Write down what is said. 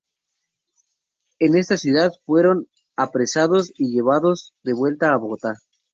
En esta ciudad fueron apresados y llevados de vuelta a Bogotá.